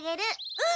うん！